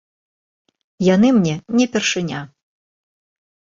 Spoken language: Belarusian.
Яны мне не першыня.